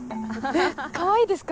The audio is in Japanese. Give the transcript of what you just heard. えっかわいいですか？